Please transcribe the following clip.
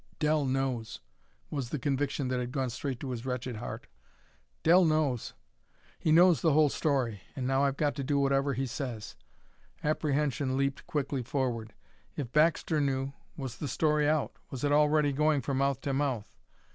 "Dell knows," was the conviction that had gone straight to his wretched heart. "Dell knows. He knows the whole story. And now I've got to do whatever he says." Apprehension leaped quickly forward. If Baxter knew, was the story out? Was it already going from mouth to mouth?